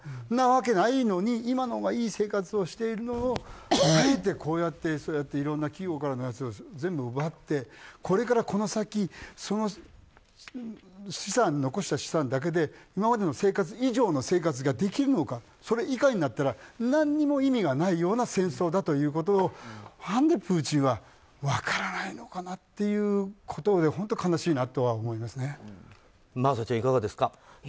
そんなわけないのに今のほうがいい生活をしてるのにあえて、こうやっていろんな企業から全部奪って、これからこの先残した資産だけで今までの生活以上の生活ができるのかそれ以外になったら何も意味がないような戦争だということをなんでプーチンは分からないのかなっていうことを真麻ちゃん、いかがですか。